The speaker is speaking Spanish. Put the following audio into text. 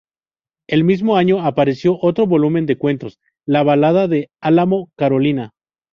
El mismo año apareció otro volumen de cuentos, "La balada del álamo carolina".